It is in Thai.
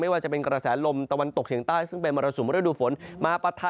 ว่าจะเป็นกระแสลมตะวันตกเฉียงใต้ซึ่งเป็นมรสุมฤดูฝนมาปะทะ